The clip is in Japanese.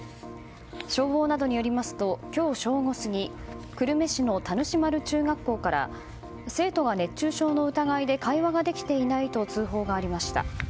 消防などによりますと今日正午過ぎ久留米市の中学校から生徒が熱中症の疑いで会話ができてないと通報がありました。